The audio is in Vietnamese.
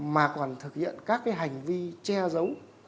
mà còn thực hiện các cái hành vi che giấu